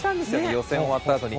予選終わったあとに。